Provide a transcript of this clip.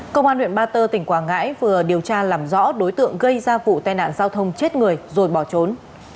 công an huyện ba tơ tỉnh quảng ngãi vừa điều tra làm rõ đối tượng gây ra vụ tai nạn giao thông chết người rồi bỏ trốn